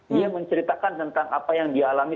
dia menceritakan tentang apa yang dialami